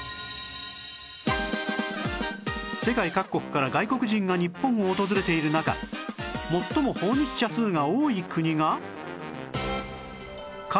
世界各国から外国人が日本を訪れている中最も訪日者数が多い国が